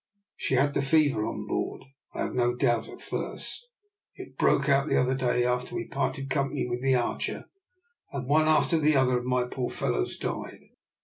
She had the fever on board, I have no doubt, at first. It broke out the other day after we parted company with the Archer, and one after the other my poor fellows died.